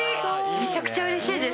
めちゃくちゃ嬉しいです。